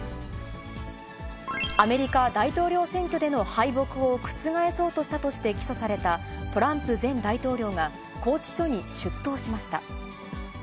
アメリカ大統領選挙での敗北を覆そうとしたとして起訴された、トランプ前大統領が、拘置所に出頭しました。